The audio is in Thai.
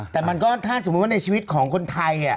แต่มันก็ถ้าสมมุติว่าในชีวิตของคนไทย